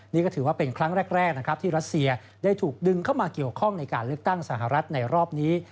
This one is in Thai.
นี่ก็ถือว่าเป็นครั้งแรกนะครับที่รัสเซียได้ถูกดึงเข้ามาเกี่ยวข้องในการเลือกตั้งสหรัฐในรอบนี้